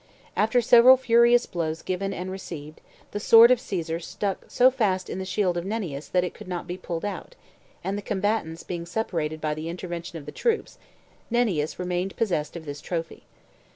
After several furious blows given and received, the sword of Caesar stuck so fast in the shield of Nennius that it could not be pulled out, and the combatants being separated by the intervention of the troops Nennius remained possessed of this trophy.